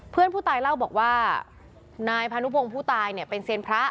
เพื่อนผู้ตายเล่าบอกว่านายพานุพงศ์ผู้ตายเนี่ยเป็นเซียนพระ